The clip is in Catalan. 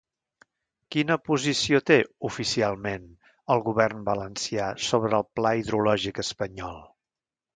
Quina posició té, oficialment, el govern valencià sobre el pla hidrològic espanyol?